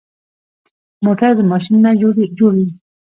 موټر د ماشین نه جوړ وي.